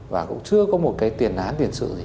và cũng chưa có một cái tiền án tiền sự gì